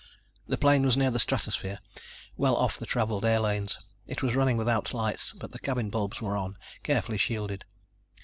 The plane was near the stratosphere, well off the traveled air lanes. It was running without lights, but the cabin bulbs were on, carefully shielded.